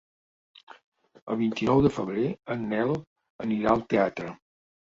El vint-i-nou de febrer en Nel anirà al teatre.